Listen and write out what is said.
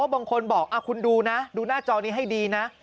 บางคนบอกคุณดูนะดูหน้าจอนี้ให้ดีนะ